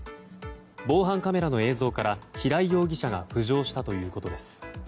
防犯カメラの映像から平井容疑者が浮上したということです。